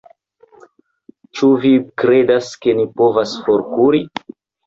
Ĉu vi kredas, ke ni povas forkuri?